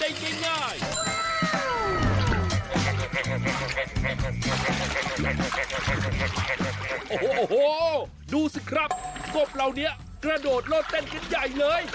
โอ้โหดูสิครับกบเหล่านี้กระโดดโลดเต้นกันใหญ่เลย